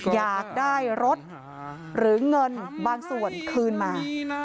อยากได้รถหรือเงินบางส่วนคืนมา